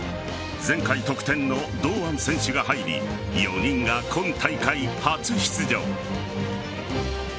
前回得点の堂安選手が入り４人が今大会初出場。